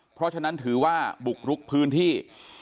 เพราะฉะนั้นถือว่าบุกรุกพื้นที่